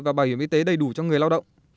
và bảo hiểm y tế đầy đủ cho người lao động